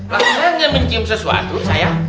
lah saya nggak mencium sesuatu sayang